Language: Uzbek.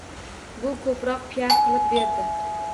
Bu koʻproq piar qilib berdi.